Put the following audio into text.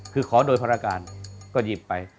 คือขอโดยภารการก็หยิบไป